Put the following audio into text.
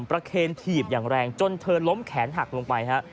เคนถีบอย่างแรงจนเธอล้มแขนหักลงไปฮะ